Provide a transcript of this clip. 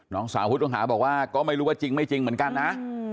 น้องสาวผู้ต้องหาบอกว่าก็ไม่รู้ว่าจริงไม่จริงเหมือนกันนะ